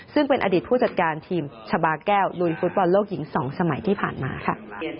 ซึ่งเป็นอดีตผู้จัดการทีมชาบาแก้วลุยฟุตบอลโลกหญิง๒สมัยที่ผ่านมาค่ะ